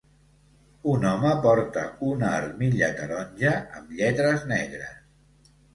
Un home porta una armilla taronja amb lletres negres.